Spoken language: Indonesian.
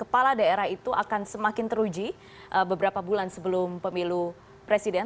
kepala daerah itu akan semakin teruji beberapa bulan sebelum pemilu presiden